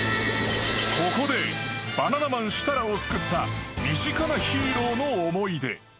［ここでバナナマン設楽を救った身近なヒーローの思い出］